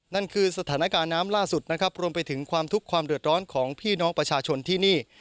นั่นคือสถานการณ์น้ำล่าสุดนะครับรวมไปถึงความทุกข์ความเดือดร้อนของพี่น้องประชาชนที่นี่